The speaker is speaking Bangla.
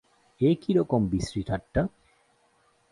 এ কিরকম বিশ্রী ঠাট্টা ।